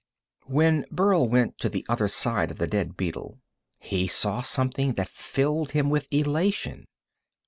When Burl went to the other side of the dead beetle he saw something that filled him with elation.